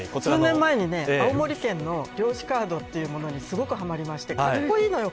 数年前に青森県の漁師カードというものにすごくはまりました。